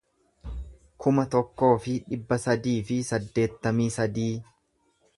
kuma tokkoo fi dhibba sadii fi saddeettamii sadii